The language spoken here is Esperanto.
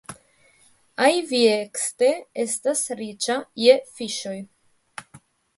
Aiviekste estas riĉa je fiŝoj.